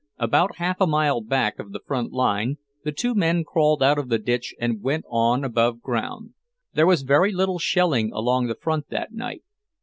About half a mile back of the front line, the two men crawled out of the ditch and went on above ground. There was very little shelling along the front that night.